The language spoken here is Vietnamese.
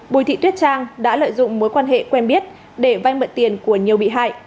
bùi thị tuyết trang đã lợi dụng mối quan hệ quen biết để vay mượn tiền của nhiều bị hại